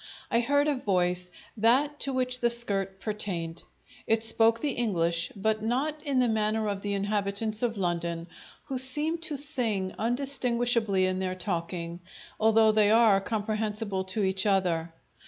I heard a voice, that to which the skirt pertained. It spoke the English, but not in the manner of the inhabitants of London, who seem to sing undistinguishably in their talking, although they are comprehensible to each other.